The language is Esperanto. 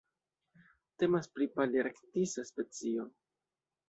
Temas pri palearktisa specio.